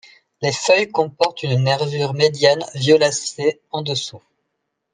Les feuilles comportent une nervure médiane violacée en-dessous.